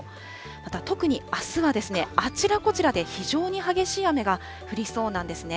また特にあすは、あちらこちらで非常に激しい雨が降りそうなんですね。